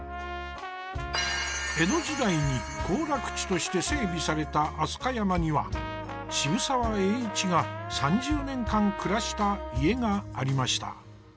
江戸時代に行楽地として整備された飛鳥山には渋沢栄一が３０年間暮らした家がありました。